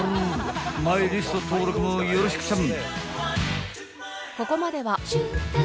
［マイリスト登録もよろしくちゃん］